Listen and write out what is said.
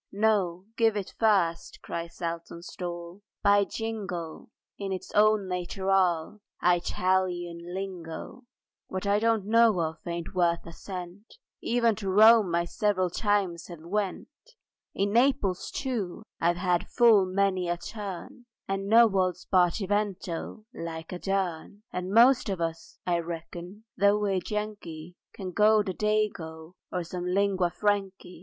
"No, give it first," cried Saltonstall, "by jingo! In its own nateral, Eyetalian lingo; What I don't know of it ain't worth a cent; Even to Rome I several times have went, In Naples, too, I've had full many a turn And know old Spartivento like a dern; And most of us, I reckon—though we're Yankee— Can go the Dago, or some lingua frankey.